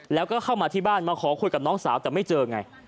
แล้วก็เข้ามาที่บ้านมาขอคุยกับน้องสาวแต่ไม่เจอไง